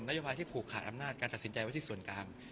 โยบายที่ผูกขาดอำนาจการตัดสินใจไว้ที่ส่วนกลาง